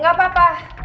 gapapa gapapa bentar ya